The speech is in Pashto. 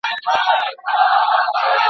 پر ورکه لار ملګري سول روان څه به کوو؟!